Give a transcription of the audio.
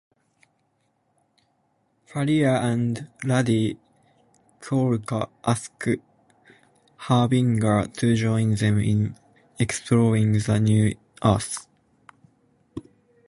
Pariah, and Lady Quark, ask Harbinger to join them in exploring the new earth.